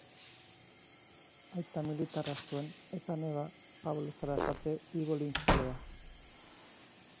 Aita militarra zuen eta neba Pablo Sarasate bibolin-jolea.